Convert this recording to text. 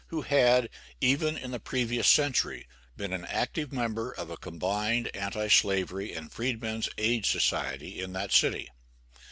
who had, even in the previous century, been an active member of a combined anti slavery and freedmen's aid society in that city.